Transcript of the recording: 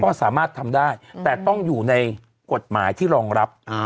ก็สามารถทำได้แต่ต้องอยู่ในกฎหมายที่รองรับ